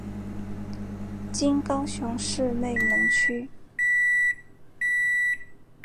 今高雄市内门区。